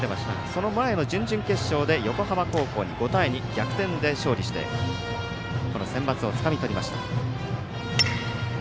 その前の準々決勝で横浜高校に５対２逆転で勝利して選抜をつかみとりました。